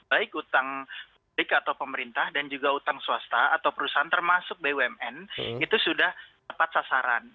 baik utang publik atau pemerintah dan juga utang swasta atau perusahaan termasuk bumn itu sudah tepat sasaran